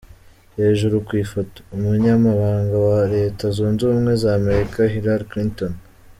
Hejuru ku ifoto:Umunyamabanga wa Leta zunze ubumwe z’Amerika Hillary Cliton.